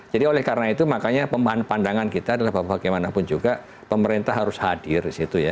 jadi oleh karena itu makanya pandangan kita adalah bahwa bagaimanapun juga pemerintah harus hadir di situ ya